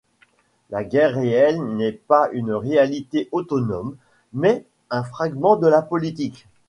La guerre réelle n’est pas une réalité autonome, mais un fragment de la politique.